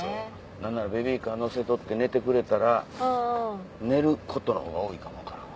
何ならベビーカー乗せとって寝てくれたら寝ることのほうが多いかも分からんわ。